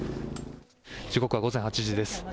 時刻は午前８時です。